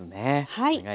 はい。